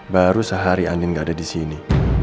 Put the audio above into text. baru sehari andin gak ada di sini